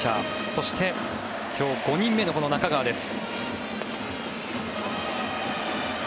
そして、今日５人目のこの中川です。